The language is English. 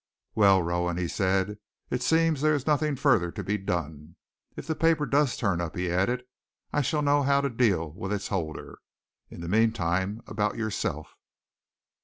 "Well, Rowan," he said, "it seems there is nothing further to be done. If the paper does turn up," he added, "I shall know how to deal with its holder. In the meantime, about yourself."